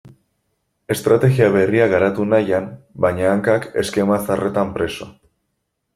Estrategia berriak garatu nahian, baina hankak eskema zaharretan preso.